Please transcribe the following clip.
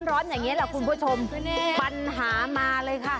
ร้อนอย่างนี้แหละคุณผู้ชมปัญหามาเลยค่ะ